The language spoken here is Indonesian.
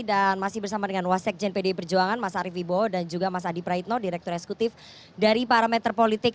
dan masih bersama dengan wasek jend pdi perjuangan mas arief wibowo dan juga mas adi praitno direktur eksekutif dari parameter politik